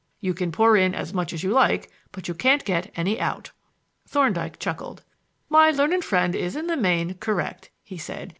You can pour in as much as you like, but you can't get any out." Thorndyke chuckled. "My learned friend is, in the main, correct," he said.